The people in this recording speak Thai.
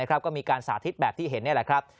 ก็มีการสาธิตแบบที่เห็นนี่แหละครับ